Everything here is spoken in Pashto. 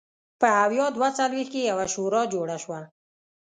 په ویا دوه څلوېښت کې یوه شورا جوړه شوه.